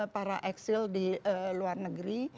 para eksil di luar negeri